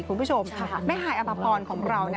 คุณผู้ชมแม่ฮายอภพรของเรา